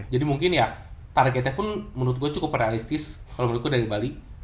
jadi mungkin ya targetnya pun menurut gua cukup realistis kalo menurut gua dari bali